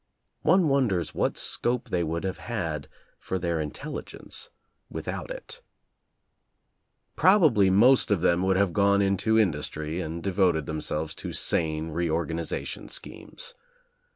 One wonders what scope they would have had for their intelligence without it. Prob ably most of them would have gone into industry and devoted themselves to sane reorganization schemes.